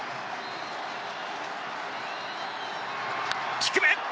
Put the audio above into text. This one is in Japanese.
低め。